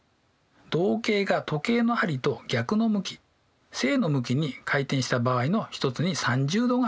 動径が時計の針と逆の向き正の向きに回転した場合の一つに３０°があります。